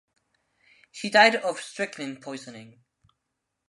He died of strychnine poisoning.